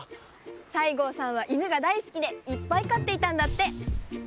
西郷さんはいぬがだいすきでいっぱいかっていたんだって。